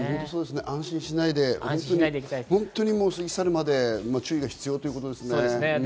安心しないで、本当に過ぎ去るまで注意が必要ということですね。